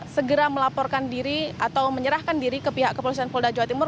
segera melaporkan diri atau menyerahkan diri ke pihak kepolisian polda jawa timur